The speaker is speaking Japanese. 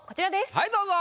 はいどうぞ。